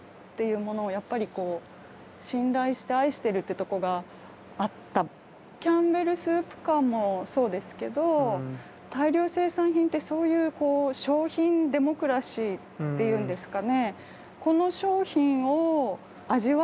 だからウォーホルはキャンベルスープ缶もそうですけど大量生産品ってそういうこう商品デモクラシーっていうんですかね。